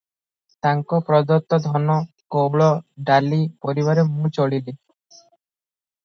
ତାଙ୍କପ୍ରଦତ୍ତ ଧନ, ଗଉଳ, ଡାଲି, ପରିବାରେ ମୁଁ ଚଳିଲି ।